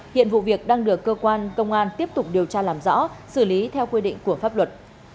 hiện vụ việc đang được cơ quan công an tiếp tục điều tra làm rõ xử lý theo quy định của pháp luật